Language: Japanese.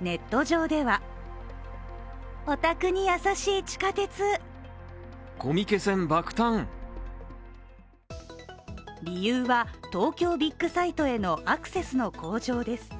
ネット上では理由は、東京ビッグサイトへのアクセスの向上です。